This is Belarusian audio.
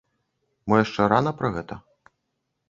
Мо яшчэ рана пра гэта?